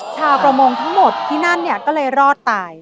ชาวประมงทั้งหมดที่นั่นเนี่ยก็เลยรอดตาย